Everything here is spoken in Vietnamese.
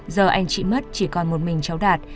giờ anh chị mất chỉ còn một mình cháu đạt